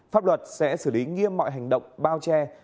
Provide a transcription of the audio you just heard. pháp luật sẽ xử lý nghiêm mọi hành động bao che chứa chấp các đối tượng